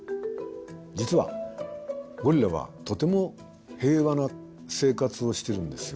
実はゴリラはとても平和な生活をしてるんですよ。